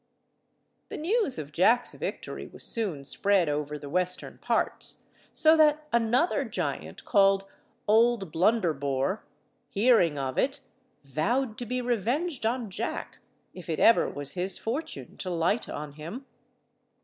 The news of Jack's victory was soon spread over the western parts, so that another giant, called Old Blunderbore, hearing of it, vowed to be revenged on Jack, if it ever was his fortune to light on him.